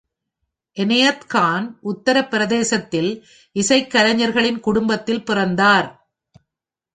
எனயத் கான் உத்தரபிரதேசத்தில் இசைக் கலைஞர்களின் குடும்பத்தில் பிறந்தார்.